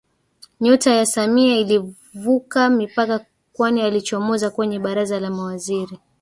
Nyota ya Samia ilivuka mipaka kwani alichomoza kwenye baraza la Mawaziri